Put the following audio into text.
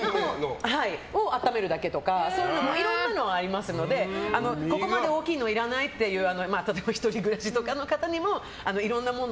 温めるだけとかいろんなのがありますのでここまで大きいのいらないという例えば１人暮らしの方にもいろんなもの